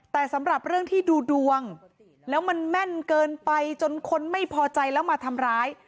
แต่สำหรับเรื่องที่ดูดวงแล้วมันแม่นเกินไปจนคนไม่พอใจแล้วมาทำร้าย